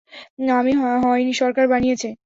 আমি হয়নি, সরকার বানিয়েছে।